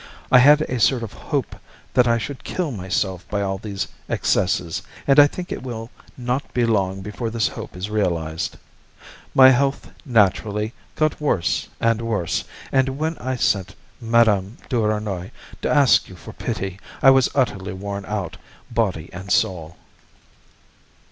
I had a sort of hope that I should kill myself by all these excesses, and I think it will not be long before this hope is realized. My health naturally got worse and worse, and when I sent Mme. Duvernoy to ask you for pity I was utterly worn out, body and soul.